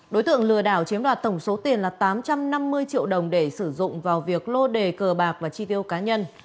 đối tượng lừa đảo chiếm đoạt tổng số tiền là tám trăm năm mươi triệu đồng để sử dụng vào việc lô đề cờ bạc và chi tiêu cá nhân